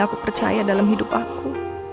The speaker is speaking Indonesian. aku percaya dalam hidup aku